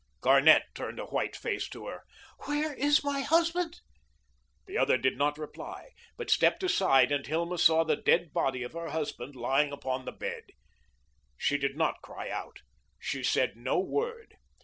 Garnett turned a white face to her. "Where is my husband?" The other did not reply, but stepped aside and Hilma saw the dead body of her husband lying upon the bed. She did not cry out. She said no word.